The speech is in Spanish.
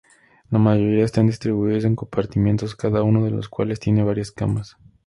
La mayoría están distribuidos en compartimentos, cada uno de los cuales tiene varias camas.